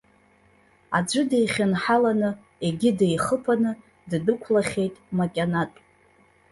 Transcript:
Аӡәы дихьынҳаланы, егьи дихыԥаны ддәықәлахьеит макьанатә.